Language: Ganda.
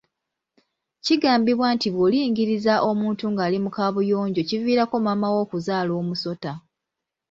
Kigambibwa nti bw’olingiriza omuntu ng’ali mu kaabuyonjo kiviirako maama wo okuzaala omusota.